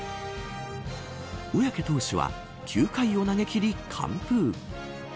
小宅投手は９回を投げきり完封。